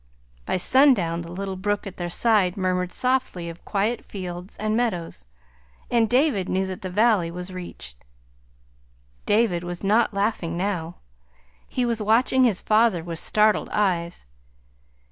By sundown the little brook at their side murmured softly of quiet fields and meadows, and David knew that the valley was reached. David was not laughing now. He was watching his father with startled eyes.